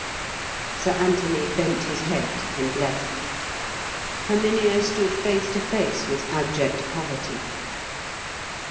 Sir Anthony bent his head and left. Herminia stood face to face with abject poverty.